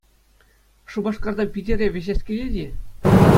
Шупашкартан Питӗре вӗҫес килет-и?